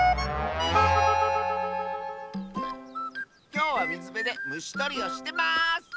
きょうはみずべでむしとりをしてます！